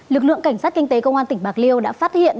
lực lượng cảnh sát kinh tế công an tỉnh bạc liêu đã phát hiện